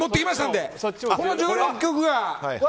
この１６曲が。